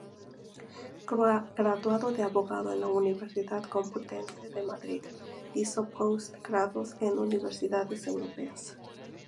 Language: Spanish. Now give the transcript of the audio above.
Graduado de abogado en la Universidad Complutense de Madrid, hizo post-grados en universidades europeas.